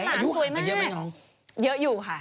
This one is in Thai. สวยมากเยอะอยู่ค่ะ